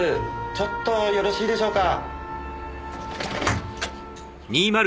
ちょっとよろしいでしょうか。